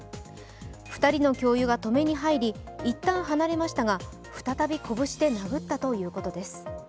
２人の教諭が止めに入り、一旦離れましたが、再び拳で殴ったということです。